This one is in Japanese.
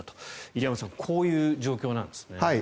入山さんこういう状況なんですね。